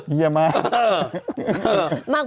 เหี้ยมาก